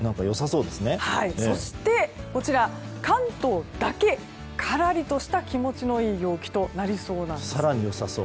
そして関東だけカラリとした気持ちのいい陽気となりそうなんです。